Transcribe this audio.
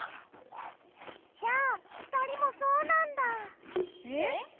じゃあふたりもそうなんだ。えっ！？